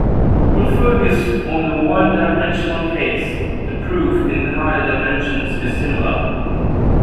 We'll focus on the one-dimensional case, the proof in higher dimensions is similar.